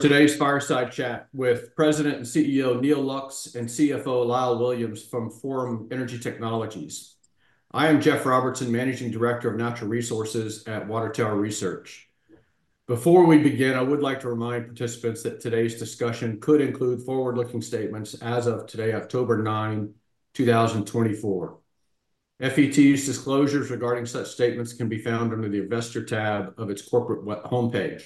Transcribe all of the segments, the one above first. Today's fireside chat with President and CEO Neal Lux and CFO Lyle Williams from Forum Energy Technologies. I am Jeff Robertson, Managing Director of Natural Resources at Water Tower Research. Before we begin, I would like to remind participants that today's discussion could include forward-looking statements as of today, October 9, 2024. FET's disclosures regarding such statements can be found under the Investor tab of its corporate web homepage.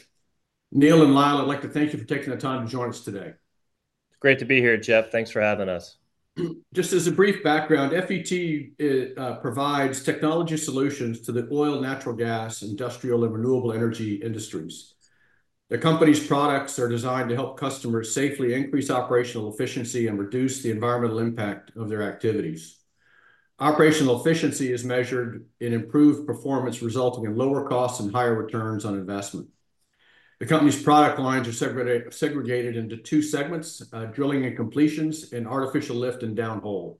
Neal and Lyle, I'd like to thank you for taking the time to join us today. It's great to be here, Jeff. Thanks for having us. Just as a brief background, FET provides technology solutions to the oil, natural gas, industrial, and renewable energy industries. The company's products are designed to help customers safely increase operational efficiency and reduce the environmental impact of their activities. Operational efficiency is measured in improved performance, resulting in lower costs and higher returns on investment. The company's product lines are segregated into two segments: drilling and completions, and artificial lift and downhole.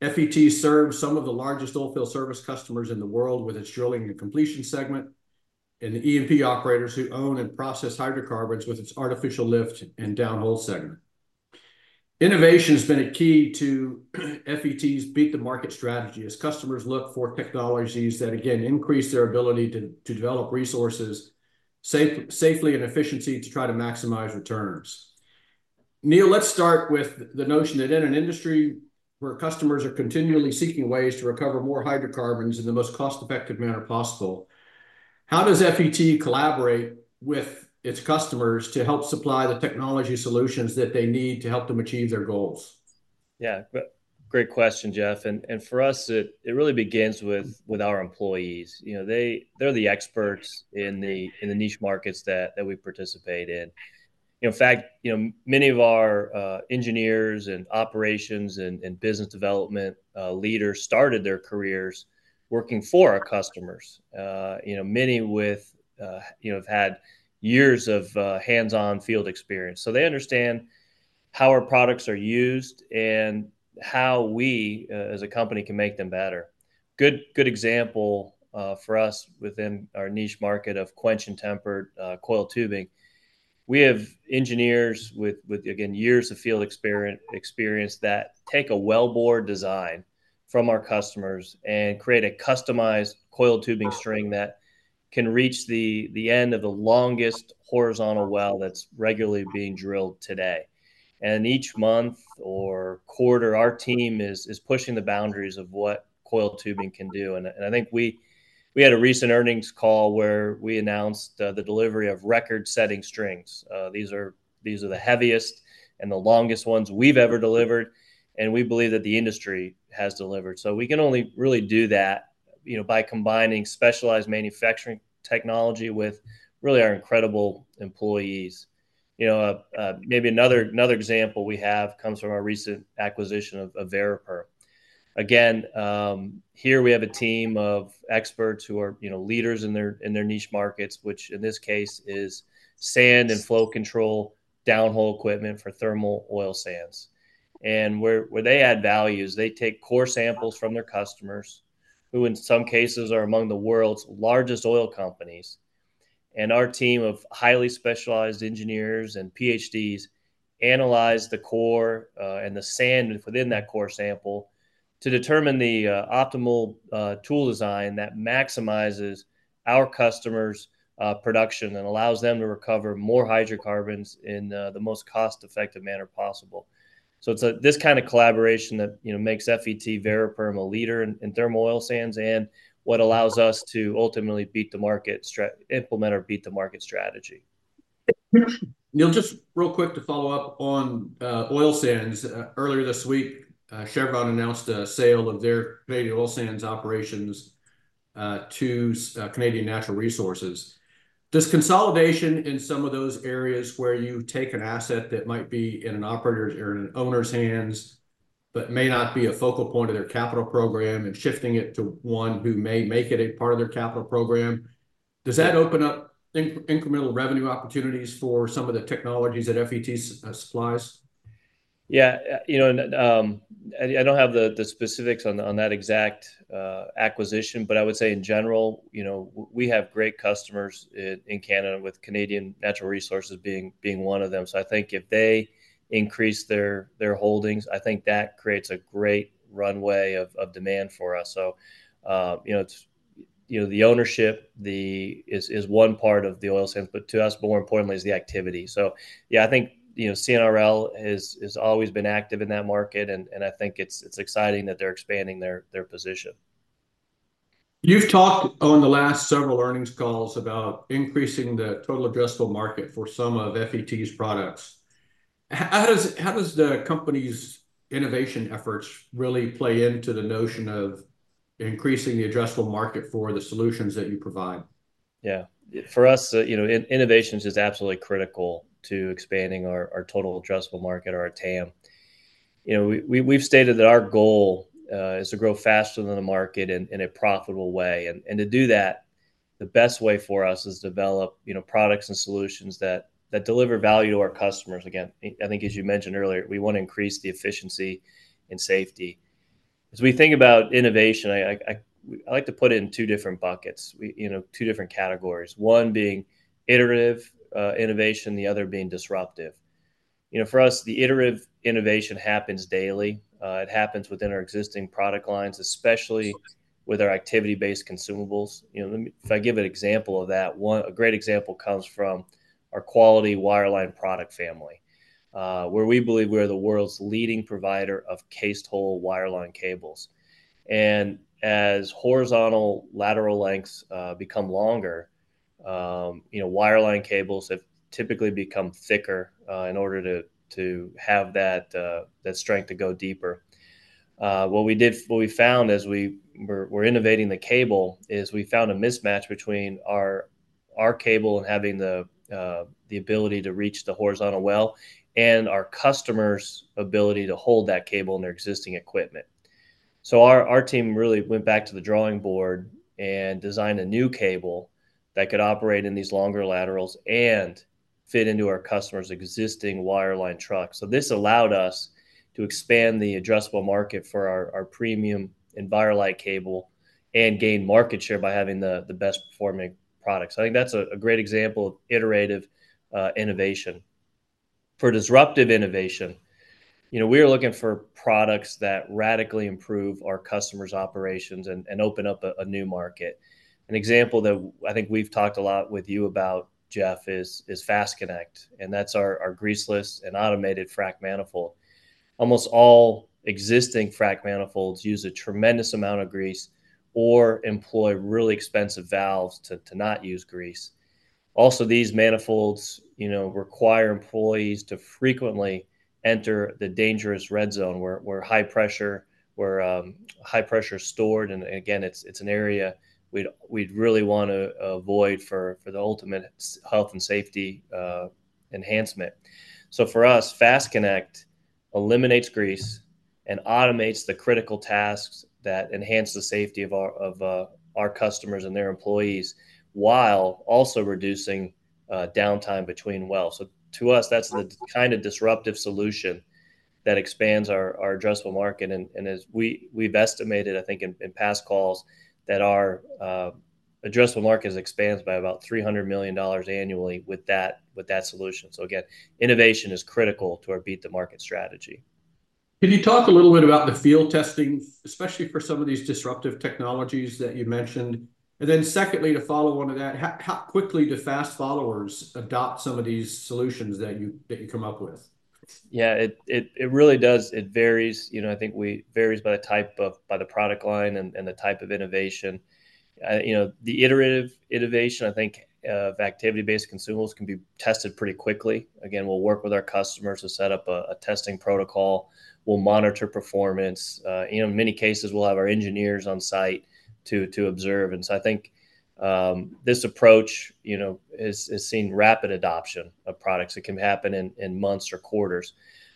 FET serves some of the largest oilfield service customers in the world with its drilling and completion segment, and the E&P operators who own and process hydrocarbons with its artificial lift and downhole segment. Innovation has been a key to FET's beat the market strategy, as customers look for technologies that, again, increase their ability to develop resources safely and efficiency to try to maximize returns. Neal, let's start with the notion that in an industry where customers are continually seeking ways to recover more hydrocarbons in the most cost-effective manner possible, how does FET collaborate with its customers to help supply the technology solutions that they need to help them achieve their goals? Yeah. Great question, Jeff, and for us, it really begins with our employees. You know, they're the experts in the niche markets that we participate in. In fact, you know, many of our engineers and operations and business development leaders started their careers working for our customers. You know, many have had years of hands-on field experience, so they understand how our products are used and how we, as a company, can make them better. Good example for us within our niche market of quench-and-tempered coiled tubing. We have engineers with, again, years of field experience that take a wellbore design from our customers and create a customized coiled tubing string that can reach the end of the longest horizontal well that's regularly being drilled today. And each month or quarter, our team is pushing the boundaries of what coiled tubing can do. And I think we had a recent earnings call where we announced the delivery of record-setting strings. These are the heaviest and the longest ones we've ever delivered, and we believe that the industry has delivered. So we can only really do that, you know, by combining specialized manufacturing technology with really our incredible employees. You know, maybe another example we have comes from our recent acquisition of Variperm. Again, here we have a team of experts who are, you know, leaders in their niche markets, which in this case is sand and flow control downhole equipment for thermal oil sands. Where they add values, they take core samples from their customers, who in some cases are among the world's largest oil companies, and our team of highly specialized engineers and PhDs analyze the core and the sand within that core sample to determine the optimal tool design that maximizes our customers' production and allows them to recover more hydrocarbons in the most cost-effective manner possible. It's this kind of collaboration that, you know, makes FET Variperm a leader in thermal oil sands and what allows us to ultimately implement or beat the market strategy. Neal, just real quick to follow up on oil sands. Earlier this week, Chevron announced a sale of their Canadian oil sands operations to Canadian Natural Resources. Does consolidation in some of those areas where you take an asset that might be in an operator's or in an owner's hands, but may not be a focal point of their capital program and shifting it to one who may make it a part of their capital program, does that open up incremental revenue opportunities for some of the technologies that FET supplies? Yeah. You know, and, I don't have the specifics on that exact acquisition, but I would say in general, you know, we have great customers in Canada, with Canadian Natural Resources being one of them. So I think if they increase their holdings, I think that creates a great runway of demand for us. So, you know, it's, you know, the ownership is one part of the oil sands, but to us, more importantly, is the activity. So yeah, I think, you know, CNRL has always been active in that market, and I think it's exciting that they're expanding their position. You've talked on the last several earnings calls about increasing the total addressable market for some of FET's products. How does the company's innovation efforts really play into the notion of increasing the addressable market for the solutions that you provide? Yeah. For us, you know, innovation is just absolutely critical to expanding our total addressable market, or our TAM. You know, we've stated that our goal is to grow faster than the market in a profitable way. And to do that, the best way for us is develop, you know, products and solutions that deliver value to our customers. Again, I think as you mentioned earlier, we want to increase the efficiency and safety. As we think about innovation, I like to put it in two different buckets. We, you know, two different categories. One being iterative innovation, the other being disruptive. You know, for us, the iterative innovation happens daily. It happens within our existing product lines, especially with our activity-based consumables. You know, let me, if I give an example of that, a great example comes from our Quality Wireline product family, where we believe we're the world's leading provider of cased hole wireline cables. As horizontal lateral lengths become longer, you know, wireline cables have typically become thicker in order to have that strength to go deeper. What we found as we were innovating the cable is we found a mismatch between our cable and having the ability to reach the horizontal well, and our customers' ability to hold that cable in their existing equipment. So our team really went back to the drawing board and designed a new cable that could operate in these longer laterals and fit into our customers' existing wireline trucks. So this allowed us to expand the addressable market for our premium EnviroLite cable and gain market share by having the best performing products. I think that's a great example of iterative innovation. For disruptive innovation, you know, we are looking for products that radically improve our customers' operations and open up a new market. An example that I think we've talked a lot with you about, Jeff, is FastConnect, and that's our greaseless and automated frac manifold. Almost all existing frac manifolds use a tremendous amount of grease or employ really expensive valves to not use grease. Also, these manifolds, you know, require employees to frequently enter the dangerous red zone, where high pressure's stored. And again, it's an area we'd really wanna avoid for the ultimate health and safety enhancement. So for us, FastConnect eliminates grease and automates the critical tasks that enhance the safety of our customers and their employees, while also reducing downtime between wells. So to us, that's the kind of disruptive solution that expands our addressable market. And as we've estimated, I think in past calls, that our addressable market has expanded by about $300 million annually with that solution. So again, innovation is critical to our beat-the-market strategy. Can you talk a little bit about the field testing, especially for some of these disruptive technologies that you mentioned? And then secondly, to follow on to that, how quickly do fast followers adopt some of these solutions that you come up with? Yeah, it really does, it varies. You know, I think varies by the type of product line and the type of innovation. You know, the iterative innovation, I think, of activity-based consumables can be tested pretty quickly. Again, we'll work with our customers to set up a testing protocol. We'll monitor performance. You know, in many cases, we'll have our engineers on site to observe. And so I think this approach, you know, has seen rapid adoption of products. It can happen in months or quarters.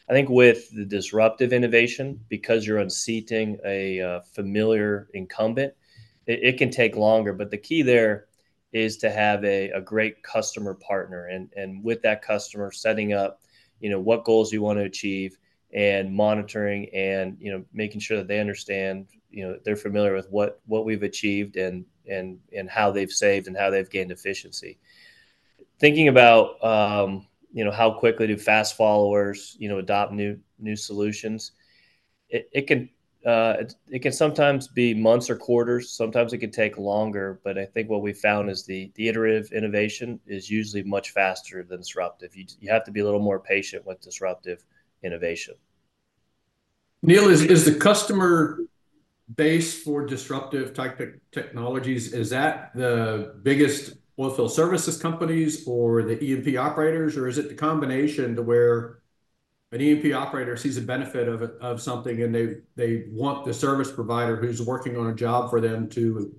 I think with the disruptive innovation, because you're unseating a familiar incumbent, it can take longer. But the key there is to have a great customer partner, and with that customer, setting up, you know, what goals you want to achieve, and monitoring, and, you know, making sure that they understand, you know, they're familiar with what we've achieved and how they've saved, and how they've gained efficiency. Thinking about, you know, how quickly do fast followers, you know, adopt new solutions, it can sometimes be months or quarters. Sometimes it can take longer, but I think what we've found is the iterative innovation is usually much faster than disruptive. You have to be a little more patient with disruptive innovation. Neal, is the customer base for disruptive-type technologies, is that the biggest oilfield services companies or the E&P operators, or is it the combination to where an E&P operator sees a benefit of something, and they want the service provider who's working on a job for them to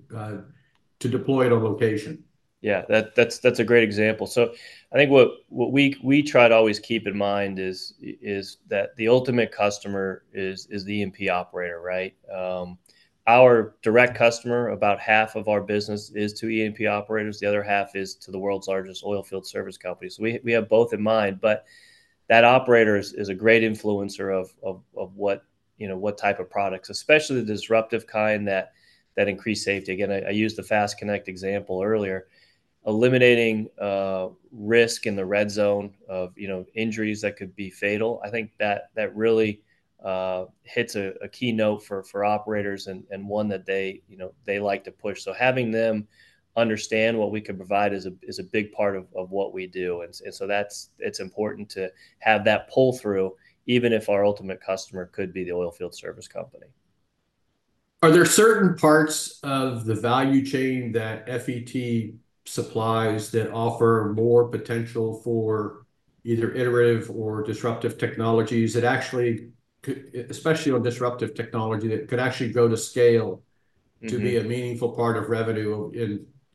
deploy at a location? Yeah, that's a great example. So I think what we try to always keep in mind is that the ultimate customer is the E&P operator, right? Our direct customer, about half of our business is to E&P operators, the other half is to the world's largest oilfield service companies. So we have both in mind, but that operator is a great influencer of what, you know, what type of products, especially the disruptive kind that increase safety. Again, I used the FastConnect example earlier. Eliminating risk in the red zone of, you know, injuries that could be fatal, I think that really hits a key note for operators and one that they, you know, they like to push. So having them understand what we can provide is a big part of what we do. And so it's important to have that pull-through, even if our ultimate customer could be the oilfield service company. Are there certain parts of the value chain that FET supplies that offer more potential for either iterative or disruptive technologies that actually could, especially on disruptive technology, that could actually go to scale- Mm-hmm To be a meaningful part of revenue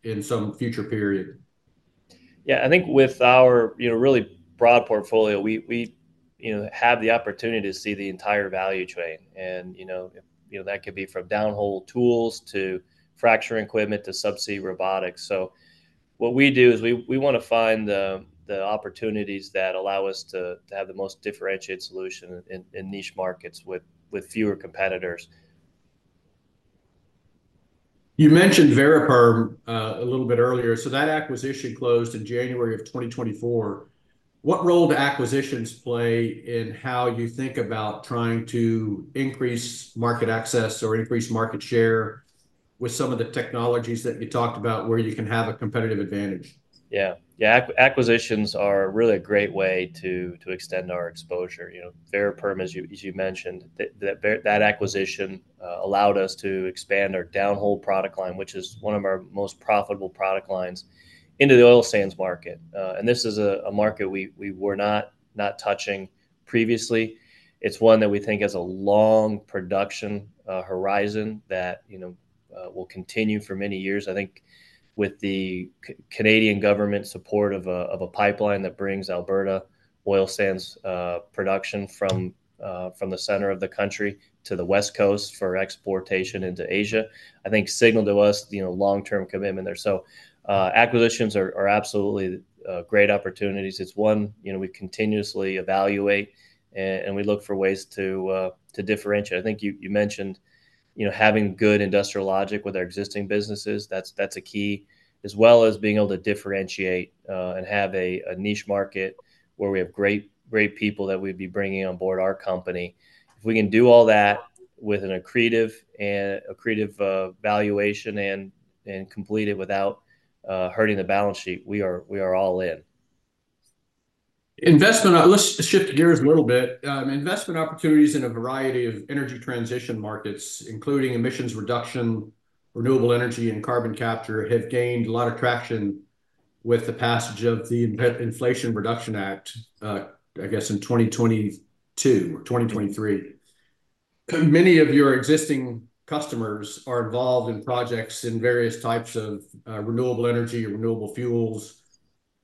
in some future period? Yeah, I think with our you know really broad portfolio, we you know have the opportunity to see the entire value chain, and you know that could be from downhole tools to fracturing equipment to subsea robotics, so what we do is we wanna find the opportunities that allow us to have the most differentiated solution in niche markets with fewer competitors. You mentioned Variperm, a little bit earlier. So that acquisition closed in January of 2024. What role do acquisitions play in how you think about trying to increase market access or increase market share with some of the technologies that you talked about, where you can have a competitive advantage? Yeah. Yeah, acquisitions are really a great way to extend our exposure. You know, Veriperm, as you mentioned, that acquisition allowed us to expand our downhole product line, which is one of our most profitable product lines, into the oil sands market. And this is a market we were not touching previously. It's one that we think has a long production horizon that, you know, will continue for many years. I think with the Canadian government support of a pipeline that brings Alberta oil sands production from the center of the country to the west coast for exportation into Asia, I think signaled to us, you know, long-term commitment there. So, acquisitions are absolutely great opportunities. It's one, you know, we continuously evaluate and we look for ways to differentiate. I think you mentioned, you know, having good industrial logic with our existing businesses, that's a key, as well as being able to differentiate and have a niche market where we have great people that we'd be bringing on board our company. If we can do all that with an accretive valuation and complete it without hurting the balance sheet, we are all in. Investment. Let's shift gears a little bit. Investment opportunities in a variety of energy transition markets, including emissions reduction, renewable energy, and carbon capture, have gained a lot of traction with the passage of the Inflation Reduction Act, I guess in 2022 or 2023. Many of your existing customers are involved in projects in various types of renewable energy or renewable fuels,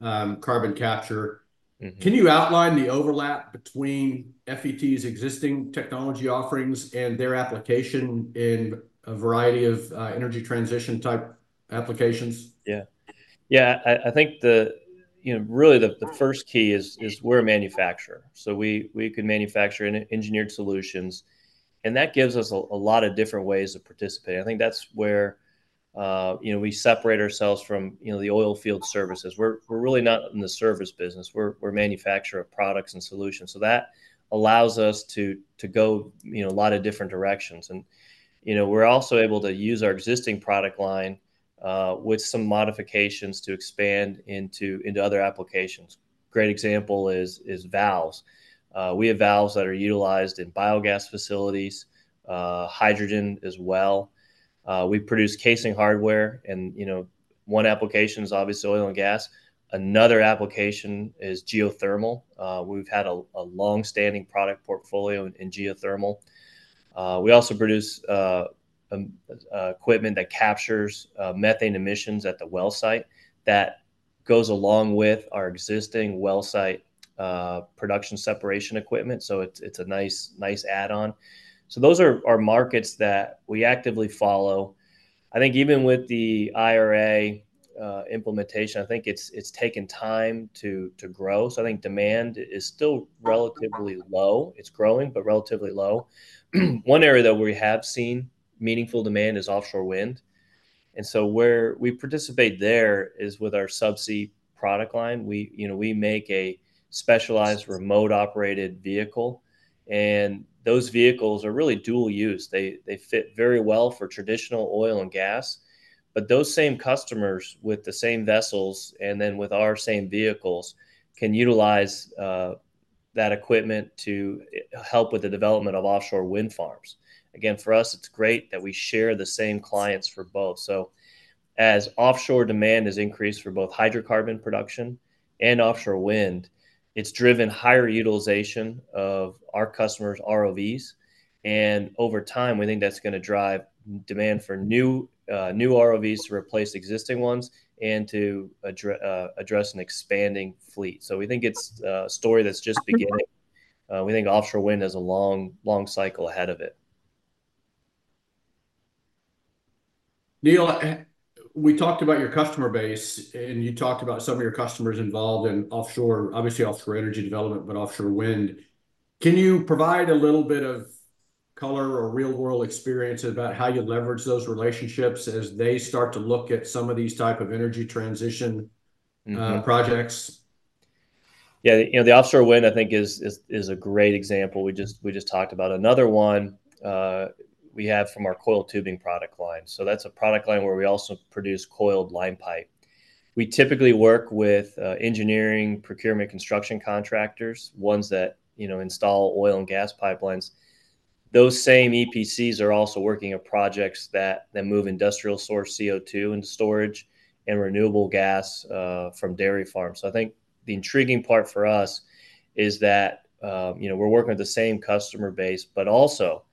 carbon capture. Mm-hmm. Can you outline the overlap between FET's existing technology offerings and their application in a variety of energy transition-type applications? Yeah. Yeah, I think the, you know, really, the first key is we're a manufacturer, so we can manufacture engineered solutions, and that gives us a lot of different ways to participate. I think that's where, you know, we separate ourselves from, you know, the oil field services. We're really not in the service business. We're a manufacturer of products and solutions, so that allows us to go, you know, a lot of different directions. And, you know, we're also able to use our existing product line with some modifications to expand into other applications. Great example is valves. We have valves that are utilized in biogas facilities, hydrogen as well. We produce casing hardware and, you know, one application is obviously oil and gas. Another application is geothermal. We've had a long-standing product portfolio in geothermal. We also produce equipment that captures methane emissions at the well site that goes along with our existing well site production separation equipment, so it's a nice add-on. So those are markets that we actively follow. I think even with the IRA implementation, I think it's taken time to grow, so I think demand is still relatively low. It's growing, but relatively low. One area that we have seen meaningful demand is offshore wind, and so where we participate there is with our subsea product line. We, you know, we make a specialized remote-operated vehicle, and those vehicles are really dual use. They fit very well for traditional oil and gas, but those same customers with the same vessels, and then with our same vehicles, can utilize that equipment to help with the development of offshore wind farms. Again, for us, it's great that we share the same clients for both. So as offshore demand has increased for both hydrocarbon production and offshore wind, it's driven higher utilization of our customers' ROVs, and over time, we think that's gonna drive demand for new ROVs to replace existing ones and to address an expanding fleet. So we think it's a story that's just beginning. We think offshore wind has a long, long cycle ahead of it. Neal, we talked about your customer base, and you talked about some of your customers involved in offshore, obviously offshore energy development, but offshore wind. Can you provide a little bit of color or real-world experience about how you leverage those relationships as they start to look at some of these type of energy transition? Mm-hmm Projects? Yeah, you know, the offshore wind, I think, is a great example. We just talked about another one, we have from our coiled tubing product line. So that's a product line where we also produce coiled line pipe. We typically work with engineering, procurement, construction contractors, ones that, you know, install oil and gas pipelines. Those same EPCs are also working on projects that move industrial-source CO2 into storage and renewable gas from dairy farms. So I think the intriguing part for us is that, you know, we're working with the same customer base, but also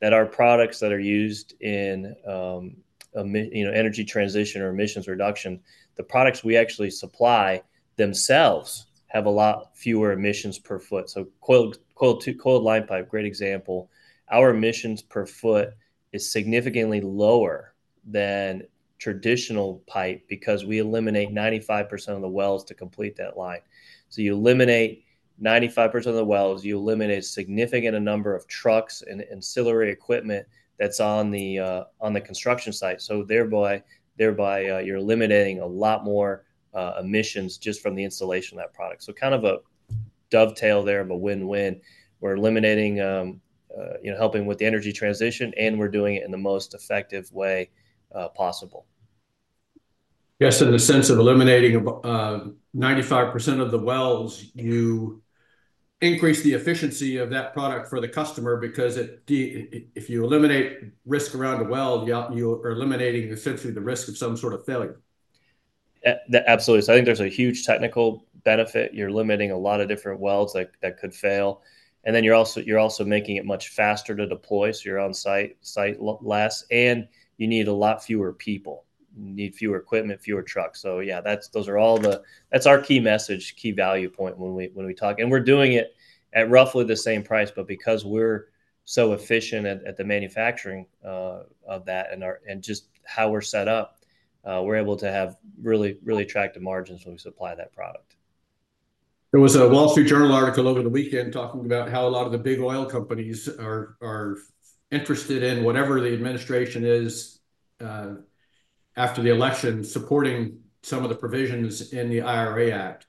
that our products that are used in energy transition or emissions reduction, the products we actually supply themselves have a lot fewer emissions per foot. So coiled tubing, coiled line pipe, great example. Our emissions per foot is significantly lower than traditional pipe, because we eliminate 95% of the wells to complete that line. So you eliminate 95% of the wells, you eliminate a significant number of trucks and ancillary equipment that's on the, on the construction site. So thereby, you're eliminating a lot more, emissions just from the installation of that product. So kind of a dovetail there of a win-win. We're eliminating, you know, helping with the energy transition, and we're doing it in the most effective way, possible. Yes, in the sense of eliminating about 95% of the wells, you increase the efficiency of that product for the customer, because it, if you eliminate risk around a well, you are eliminating essentially the risk of some sort of failure. Absolutely. So I think there's a huge technical benefit. You're eliminating a lot of different wells that could fail, and then you're also making it much faster to deploy, so you're on site less, and you need a lot fewer people. You need fewer equipment, fewer trucks. So yeah, that's those are all the... That's our key message, key value point when we talk. And we're doing it at roughly the same price, but because we're so efficient at the manufacturing of that and just how we're set up, we're able to have really, really attractive margins when we supply that product. There was a Wall Street Journal article over the weekend talking about how a lot of the big oil companies are interested in whatever the administration is, after the election, supporting some of the provisions in the IRA Act.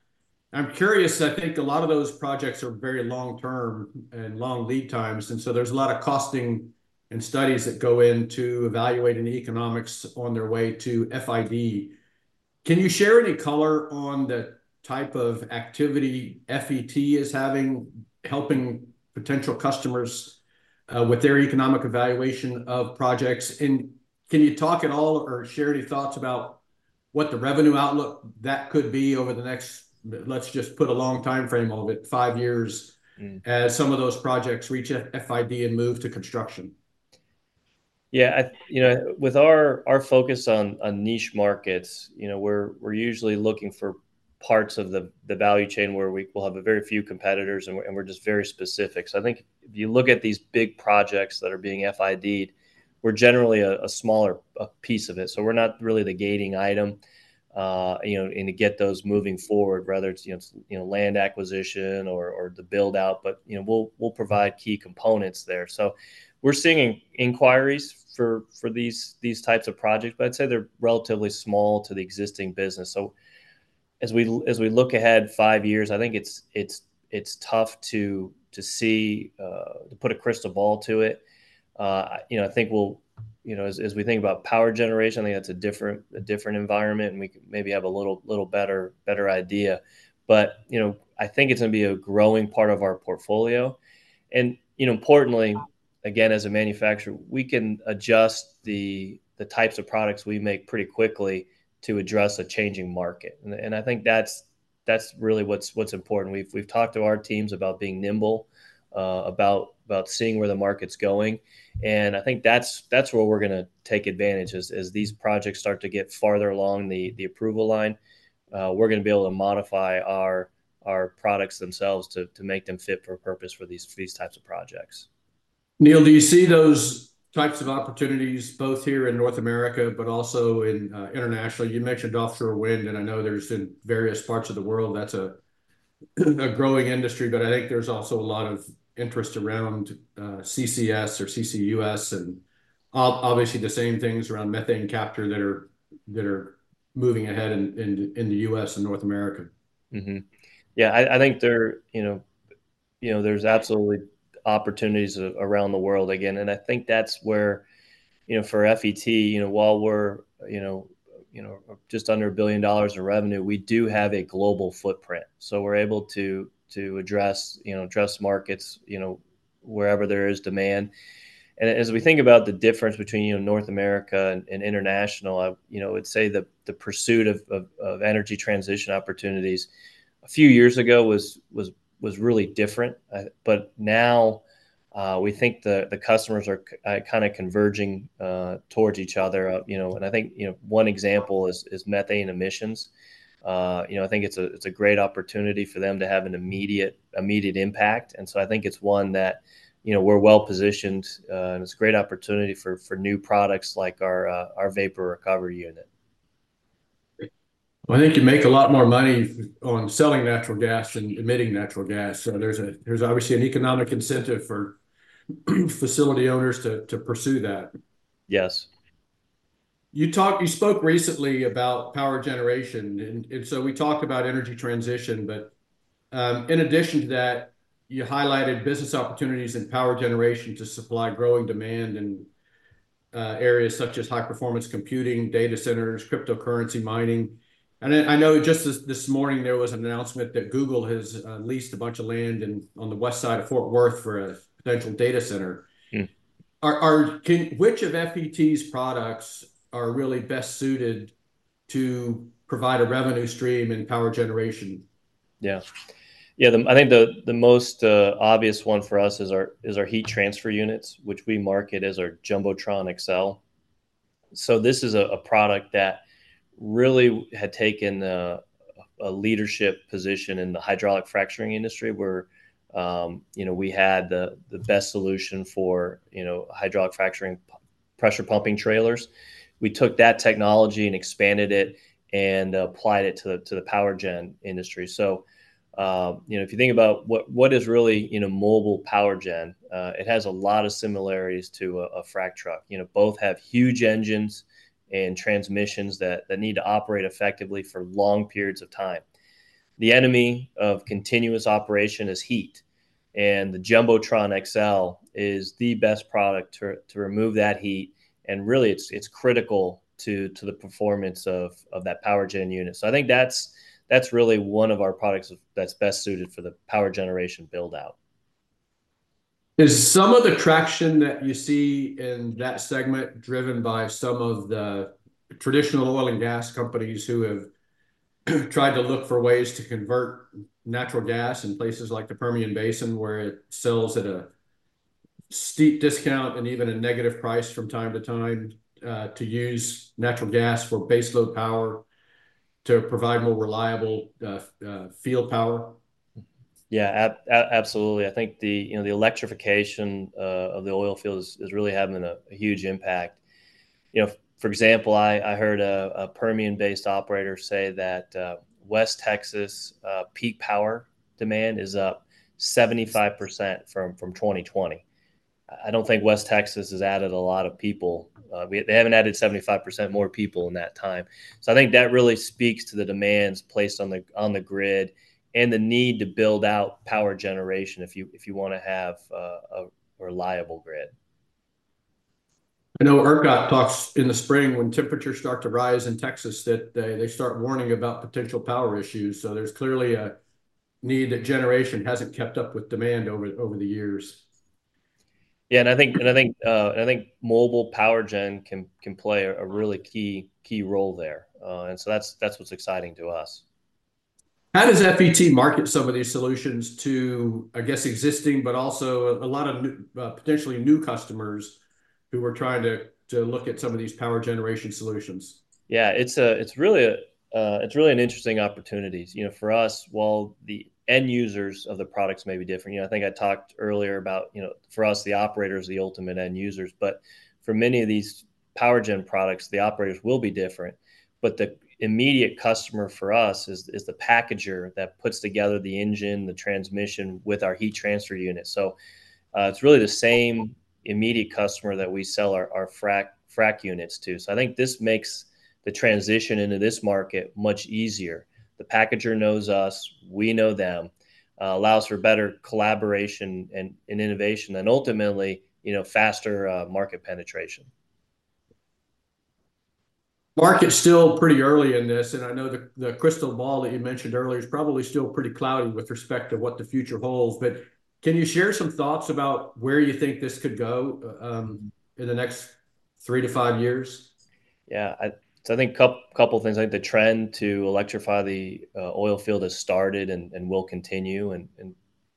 I'm curious, I think a lot of those projects are very long-term and long lead times, and so there's a lot of costing and studies that go into evaluating the economics on their way to FID. Can you share any color on the type of activity FET is having, helping potential customers, with their economic evaluation of projects? And can you talk at all or share any thoughts about what the revenue outlook that could be over the next, let's just put a long timeframe on it, five years. MmAs some of those projects reach FID and move to construction? Yeah, I you know, with our focus on niche markets, you know, we're usually looking for parts of the value chain where we will have a very few competitors, and we're just very specific. So I think if you look at these big projects that are being FID'd, we're generally a smaller piece of it. So we're not really the gating item, you know, and to get those moving forward, whether it's you know, land acquisition or the build-out, but you know, we'll provide key components there. So we're seeing inquiries for these types of projects, but I'd say they're relatively small to the existing business. So as we look ahead five years, I think it's tough to see to put a crystal ball to it. You know, I think we'll, as we think about power generation, I think that's a different environment, and we maybe have a little better idea, but you know, I think it's gonna be a growing part of our portfolio, and you know, importantly, again, as a manufacturer, we can adjust the types of products we make pretty quickly to address a changing market, and I think that's really what's important. We've talked to our teams about being nimble about seeing where the market's going, and I think that's where we're gonna take advantage. As these projects start to get farther along the approval line, we're gonna be able to modify our products themselves to make them fit for purpose for these types of projects. Neal, do you see those types of opportunities both here in North America, but also internationally? You mentioned offshore wind, and I know there's in various parts of the world that's a growing industry. But I think there's also a lot of interest around CCS or CCUS, and obviously the same things around methane capture that are moving ahead in the U.S. and North America. Mm-hmm. Yeah, I think there, you know, there's absolutely opportunities around the world again, and I think that's where, you know, for FET, you know, while we're, you know, just under $1 billion in revenue, we do have a global footprint. So we're able to address, you know, address markets, you know, wherever there is demand. And as we think about the difference between, you know, North America and international, I, you know, would say that the pursuit of energy transition opportunities a few years ago was really different. But now, we think the customers are kind of converging towards each other. You know, and I think, you know, one example is methane emissions. You know, I think it's a, it's a great opportunity for them to have an immediate impact, and so I think it's one that, you know, we're well positioned, and it's a great opportunity for new products like our vapor recovery unit. I think you make a lot more money on selling natural gas than emitting natural gas, so there's obviously an economic incentive for facility owners to pursue that. Yes. You spoke recently about power generation, and so we talked about energy transition, but in addition to that, you highlighted business opportunities in power generation to supply growing demand in areas such as high-performance computing, data centers, cryptocurrency mining. And I know just this morning, there was an announcement that Google has leased a bunch of land in on the west side of Fort Worth for a potential data center. Mm. Which of FET's products are really best suited to provide a revenue stream in power generation? Yeah. Yeah, the most obvious one for us is our heat transfer units, which we market as our JumboTron XL. So this is a product that really had taken a leadership position in the hydraulic fracturing industry, where, you know, we had the best solution for hydraulic fracturing pressure pumping trailers. We took that technology and expanded it, and applied it to the power gen industry. So, you know, if you think about what is really mobile power gen, it has a lot of similarities to a frack truck. You know, both have huge engines and transmissions that need to operate effectively for long periods of time. The enemy of continuous operation is heat, and the JumboTron XL is the best product to remove that heat, and really, it's critical to the performance of that power gen unit. So I think that's really one of our products that's best suited for the power generation build-out. Is some of the traction that you see in that segment driven by some of the traditional oil and gas companies who have tried to look for ways to convert natural gas in places like the Permian Basin, where it sells at a steep discount and even a negative price from time to time, to use natural gas for baseload power to provide more reliable, field power? Yeah, absolutely. I think the, you know, the electrification of the oil field is really having a huge impact. You know, for example, I heard a Permian-based operator say that West Texas peak power demand is up 75% from 2020. I don't think West Texas has added a lot of people. They haven't added 75% more people in that time. So I think that really speaks to the demands placed on the grid, and the need to build out power generation if you wanna have a reliable grid. I know ERCOT talks in the spring, when temperatures start to rise in Texas, that they start warning about potential power issues, so there's clearly a need that generation hasn't kept up with demand over the years. Yeah, and I think mobile power gen can play a really key role there. And so that's what's exciting to us. How does FET market some of these solutions to, I guess, existing, but also a lot of new, potentially new customers who are trying to look at some of these power generation solutions? Yeah, it's really an interesting opportunity. You know, for us, while the end users of the products may be different, you know, I think I talked earlier about, you know, for us, the operator is the ultimate end user. But for many of these power gen products, the operators will be different, but the immediate customer for us is the packager that puts together the engine, the transmission, with our heat transfer unit. So, it's really the same immediate customer that we sell our frack units to. So I think this makes the transition into this market much easier. The packager knows us, we know them, allows for better collaboration and innovation, and ultimately, you know, faster market penetration. Market's still pretty early in this, and I know the crystal ball that you mentioned earlier is probably still pretty cloudy with respect to what the future holds, but can you share some thoughts about where you think this could go in the next three to five years? Yeah. So I think a couple things, like the trend to electrify the oil field has started and will continue, and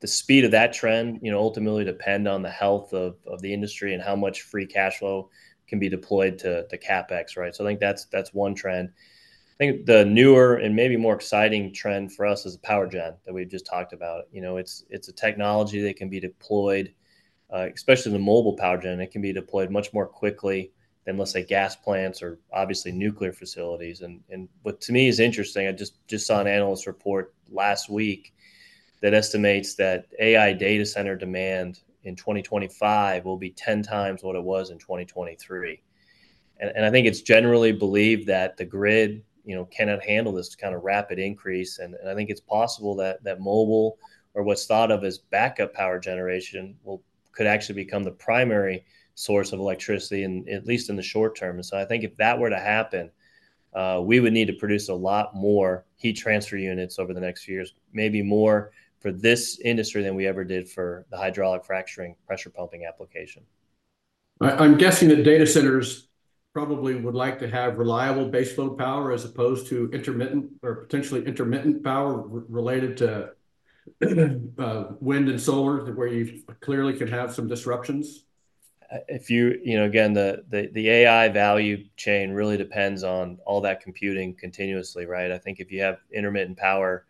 the speed of that trend, you know, ultimately depend on the health of the industry and how much free cash flow can be deployed to CapEx, right? So I think that's one trend. I think the newer and maybe more exciting trend for us is the power gen that we've just talked about. You know, it's a technology that can be deployed, especially in the mobile power gen. It can be deployed much more quickly than, let's say, gas plants or obviously nuclear facilities. And what to me is interesting, I just saw an analyst report last week that estimates that AI data center demand in 2025 will be 10 times what it was in 2023. I think it's generally believed that the grid, you know, cannot handle this kind of rapid increase, and I think it's possible that mobile, or what's thought of as backup power generation, could actually become the primary source of electricity, in at least the short term. So I think if that were to happen, we would need to produce a lot more heat transfer units over the next few years, maybe more for this industry than we ever did for the hydraulic fracturing pressure pumping application. I'm guessing the data centers probably would like to have reliable baseload power as opposed to intermittent, or potentially intermittent power related to wind and solar, where you clearly could have some disruptions? If you, again, the AI value chain really depends on all that computing continuously, right? I think if you have intermittent power,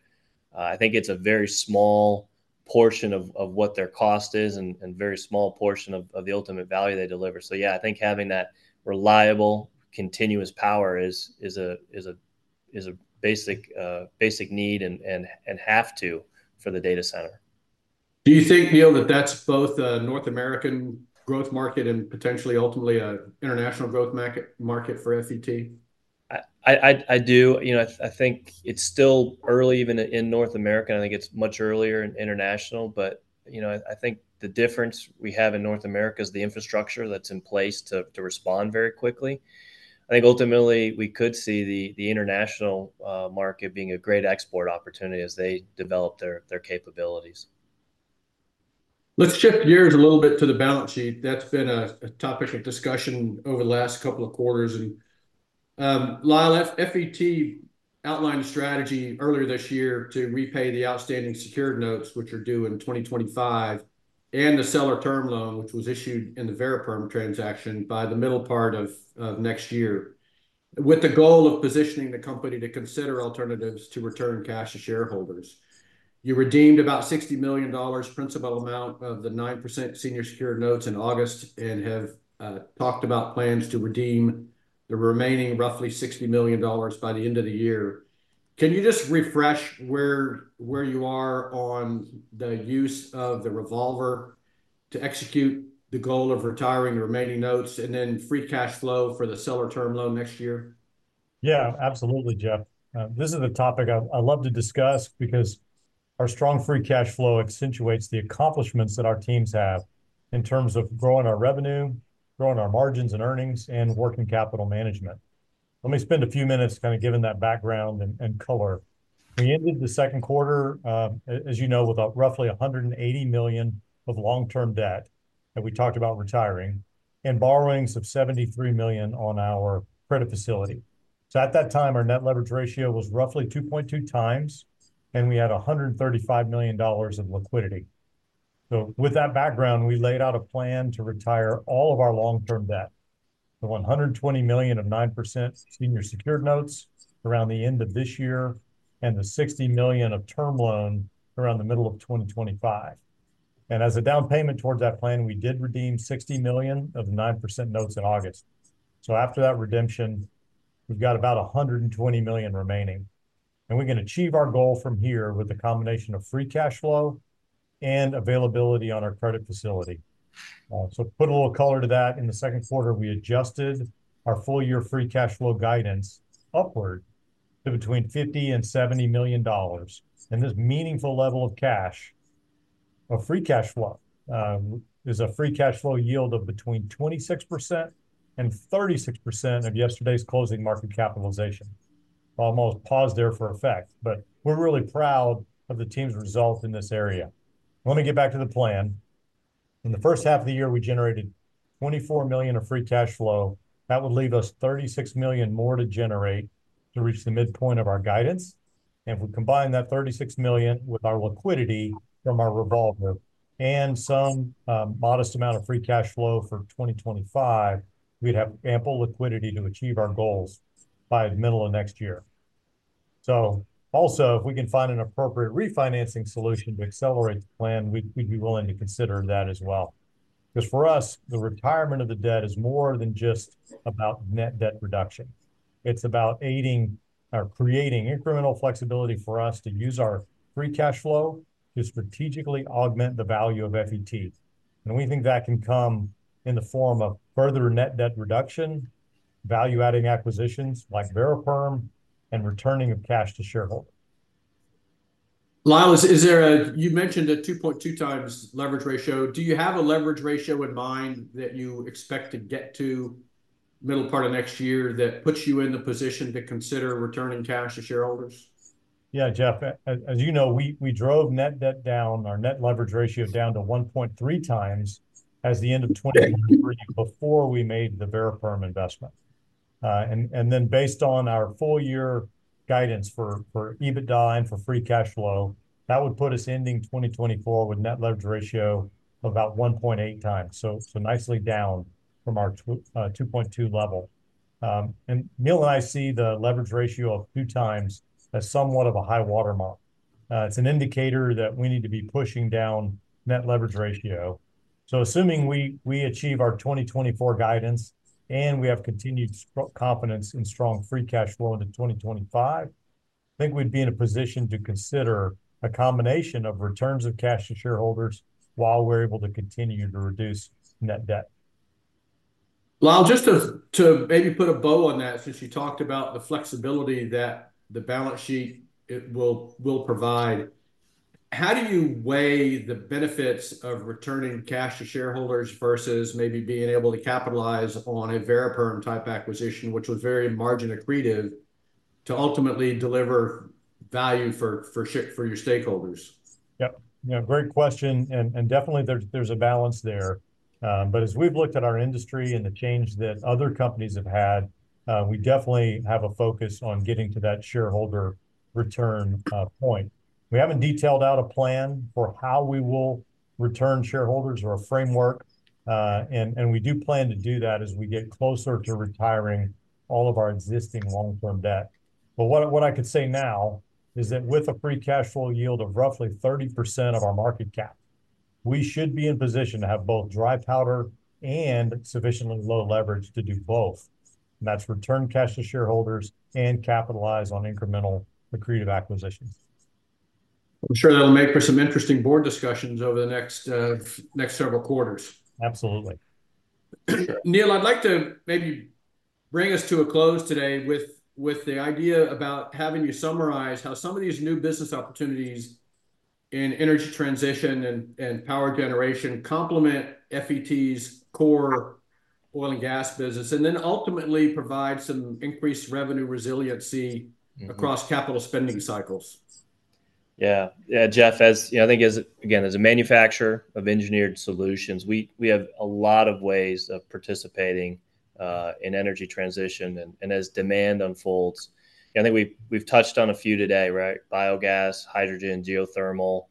I think it's a very small portion of what their cost is, and a very small portion of the ultimate value they deliver. So yeah, I think having that reliable, continuous power is a basic need, and a have to for the data center. Do you think, Neal, that that's both a North American growth market and potentially ultimately a international growth market for FET? I do. You know, I think it's still early even in North America, and I think it's much earlier in international. But, you know, I think the difference we have in North America is the infrastructure that's in place to respond very quickly. I think ultimately we could see the international market being a great export opportunity as they develop their capabilities. Let's shift gears a little bit to the balance sheet. That's been a topic of discussion over the last couple of quarters, and Lyle, FET outlined a strategy earlier this year to repay the outstanding secured notes, which are due in 2025, and the seller term loan, which was issued in the Variperm transaction, by the middle part of next year, with the goal of positioning the company to consider alternatives to return cash to shareholders. You redeemed about $60 million principal amount of the 9% senior secured notes in August, and have talked about plans to redeem the remaining roughly $60 million by the end of the year. Can you just refresh where you are on the use of the revolver to execute the goal of retiring the remaining notes, and then free cash flow for the seller term loan next year? Yeah, absolutely, Jeff. This is a topic I love to discuss, because our strong free cash flow accentuates the accomplishments that our teams have in terms of growing our revenue, growing our margins and earnings, and working capital management. Let me spend a few minutes kind of giving that background and color. We ended the second quarter, as you know, with about roughly $180 million of long-term debt, that we talked about retiring, and borrowings of $73 million on our credit facility. So at that time, our net leverage ratio was roughly 2.2 times, and we had $135 million of liquidity. So with that background, we laid out a plan to retire all of our long-term debt, the $120 million of 9% senior secured notes around the end of this year, and the $60 million of term loan around the middle of 2025. As a down payment towards that plan, we did redeem $60 million of the 9% notes in August. After that redemption, we've got about $120 million remaining, and we can achieve our goal from here with a combination of free cash flow and availability on our credit facility. To put a little color to that, in the second quarter, we adjusted our full-year free cash flow guidance upward to between $50 and $70 million. This meaningful level of cash, of free cash flow, is a free cash flow yield of between 26% and 36% of yesterday's closing market capitalization. I'll almost pause there for effect, but we're really proud of the team's result in this area. Let me get back to the plan. In the first half of the year, we generated $24 million of free cash flow. That would leave us $36 million more to generate to reach the midpoint of our guidance. And if we combine that $36 million with our liquidity from our revolver and some modest amount of free cash flow for 2025, we'd have ample liquidity to achieve our goals by the middle of next year. So also, if we can find an appropriate refinancing solution to accelerate the plan, we'd be willing to consider that as well. Because for us, the retirement of the debt is more than just about net debt reduction. It's about aiding or creating incremental flexibility for us to use our free cash flow to strategically augment the value of FET. And we think that can come in the form of further net debt reduction, value-adding acquisitions, like VeriPerm, and returning of cash to shareholders. Lyle, is there a, you mentioned a 2.2 times leverage ratio. Do you have a leverage ratio in mind that you expect to get to middle part of next year, that puts you in the position to consider returning cash to shareholders? Yeah, Jeff, as you know, we drove net debt down, our net leverage ratio down to 1.3 times at the end of 2023. Yeah Before we made the Variperm investment. And then based on our full-year guidance for EBITDA and for free cash flow, that would put us ending 2024 with net leverage ratio of about 1.8 times, so nicely down from our 2.2 level. And Neal and I see the leverage ratio of two times as somewhat of a high-water mark. It's an indicator that we need to be pushing down net leverage ratio. Assuming we achieve our 2024 guidance, and we have continued confidence in strong free cash flow into 2025, I think we'd be in a position to consider a combination of returns of cash to shareholders while we're able to continue to reduce net debt. Lyle, just to maybe put a bow on that, since you talked about the flexibility that the balance sheet it will provide, how do you weigh the benefits of returning cash to shareholders versus maybe being able to capitalize on a Variperm-type acquisition, which was very margin accretive, to ultimately deliver value for your stakeholders? Yep. Yeah, great question, and definitely there's a balance there. But as we've looked at our industry and the change that other companies have had, we definitely have a focus on getting to that shareholder return point. We haven't detailed out a plan for how we will return shareholders or a framework, and we do plan to do that as we get closer to retiring all of our existing long-term debt. But what I can say now is that with a free cash flow yield of roughly 30% of our market cap, we should be in position to have both dry powder and sufficiently low leverage to do both. And that's return cash to shareholders and capitalize on incremental accretive acquisitions. I'm sure that'll make for some interesting board discussions over the next several quarters. Absolutely. Neal, I'd like to maybe bring us to a close today with the idea about having you summarize how some of these new business opportunities in energy transition and power generation complement FET's core oil and gas business, and then ultimately provide some increased revenue resiliency- Mm-hmm Across capital spending cycles. Yeah. Yeah, Jeff, as you know, I think as again as a manufacturer of engineered solutions, we have a lot of ways of participating in energy transition and as demand unfolds. I think we've touched on a few today, right? Biogas, hydrogen, geothermal,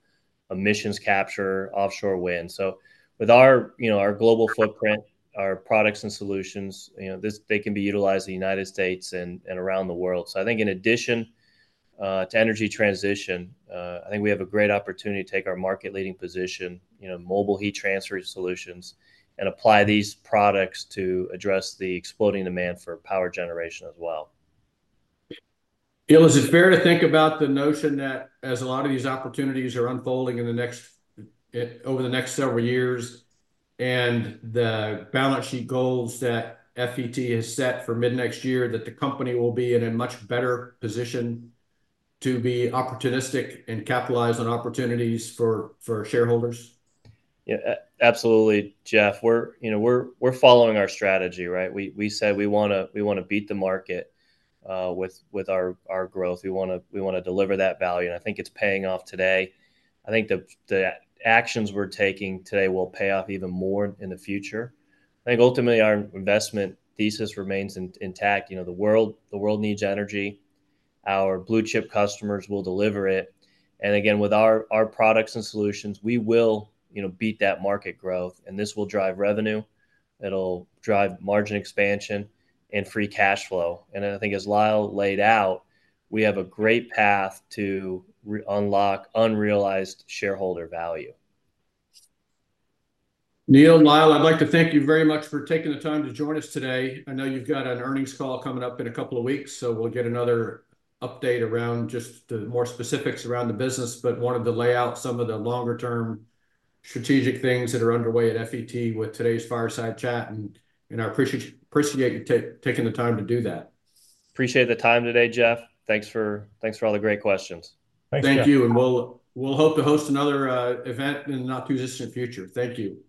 emissions capture, offshore wind. So with our you know our global footprint, our products and solutions, you know, they can be utilized in the United States and around the world. So I think in addition to energy transition I think we have a great opportunity to take our market-leading position, you know, mobile heat transfer solutions, and apply these products to address the exploding demand for power generation as well. Neal, is it fair to think about the notion that as a lot of these opportunities are unfolding in the next, over the next several years, and the balance sheet goals that FET has set for mid-next year, that the company will be in a much better position to be opportunistic and capitalize on opportunities for shareholders? Yeah, absolutely, Jeff. We're, you know, we're following our strategy, right? We said we wanna beat the market with our growth. We wanna deliver that value, and I think it's paying off today. I think the actions we're taking today will pay off even more in the future. I think ultimately our investment thesis remains intact. You know, the world needs energy. Our blue-chip customers will deliver it, and again, with our products and solutions, we will, you know, beat that market growth, and this will drive revenue, it'll drive margin expansion and free cash flow. And I think as Lyle laid out, we have a great path to unlock unrealized shareholder value. Neal, Lyle, I'd like to thank you very much for taking the time to join us today. I know you've got an earnings call coming up in a couple of weeks, so we'll get another update around just the more specifics around the business. But wanted to lay out some of the longer-term strategic things that are underway at FET with today's fireside chat, and I appreciate you taking the time to do that. Appreciate the time today, Jeff. Thanks for all the great questions. Thanks, Jeff. Thank you, and we'll hope to host another event in the not-too-distant future. Thank you. Thanks.